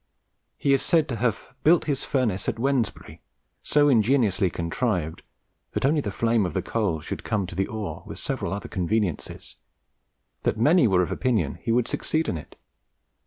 He is said to have "built his furnace at Wednesbury, so ingeniously contrived (that only the flame of the coal should come to the ore, with several other conveniences), that many were of opinion he would succeed in it.